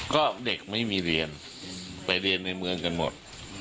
ก็เด็กไม่มีเรียนไปเรียนในเมืองกันหมด